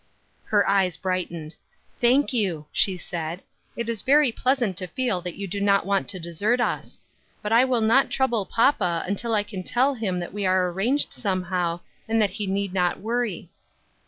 Her eyes brightened. " Thank you," she said, " it is very pleasant to feel that you do not want to desert us. Bat I will not trouble papa, until I can tell him that we are arranged some how, and that he need not worry."